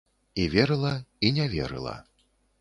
І верыла і не верыла.